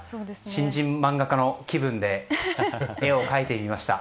新人漫画家の気分で絵を描いてみました。